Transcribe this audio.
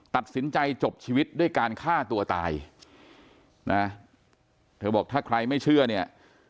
ตัดสินใจจบชีวิตด้วยการฆ่าตัวตายนะเธอบอกถ้าใครไม่เชื่อเนี่ย